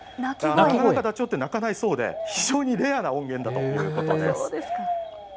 なかなかダチョウって鳴かないそうで、非常にレアな音源だということです。